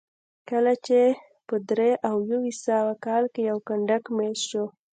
کله چې په درې او یو سوه کال کې یو کنډک مېشت شو